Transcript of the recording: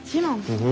うん。